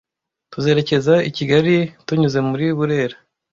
Tuzerekeza ikigali tunyuze muri burera